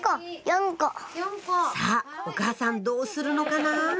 さぁお母さんどうするのかな？